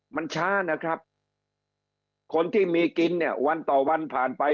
มันช้านะครับคนที่มีกินเนี่ยวันต่อวันผ่านไป